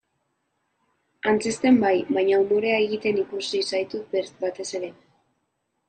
Antzezten bai, baina umorea egiten ikusi zaitut batez ere.